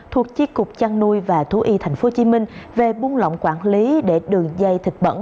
thuộc chi cục chăn nuôi và thú y tp hcm về buôn lỏng quản lý để đường dây thực bẩn